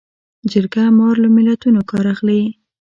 جرګه مار له متلونو کار اخلي